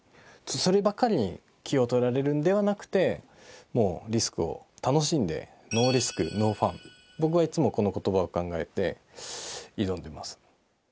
そればかりに気を取られるんではなくてもうリスクを楽しんで僕はいつもこの言葉を考えて挑んでます。